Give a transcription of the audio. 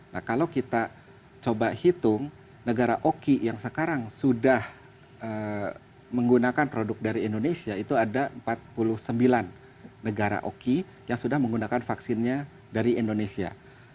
nah kalau kita coba hitung negara oki yang sekarang sudah menggunakan produk dari indonesia itu ada empat puluh sembilan negara oki yang sudah menggunakan vaksinnya dari indonesia